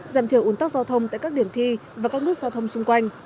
giảm thiểu ủn tắc giao thông tại các điểm thi và các nút giao thông xung quanh